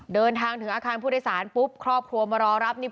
เดินทางถึงอาคารผู้โดยสารปุ๊บครอบครัวมารอรับนี่